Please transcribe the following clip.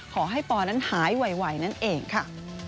ขอให้ปอนั้นหายไวนั่นเองค่ะ